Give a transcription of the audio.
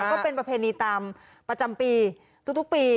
ก็เป็นประเพณีตามประจำปีทุกปี